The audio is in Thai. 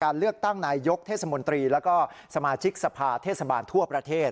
เลือกตั้งนายยกเทศมนตรีแล้วก็สมาชิกสภาเทศบาลทั่วประเทศ